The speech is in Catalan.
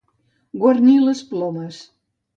Guarnir les plomes.